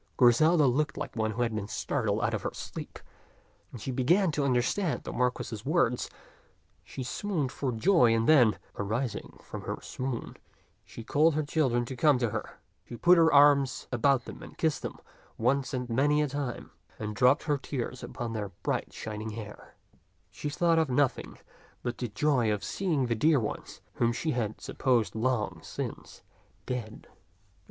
Griselda looked like one who had been startled out of her sleep. As she began to understand the Marquis's words, she swooned for joy ; and then, arising from her swoon, she called her children to come to her. She put her arms about them and kissed them once and many a time, and dropped her tears 158 t^t Ckxk'0 tak upon their bright shining hair. She thought of no thing but the joy of seeing the dear ones whom she had supposed long since dead.